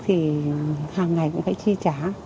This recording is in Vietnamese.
thì hàng ngày cũng phải chi trả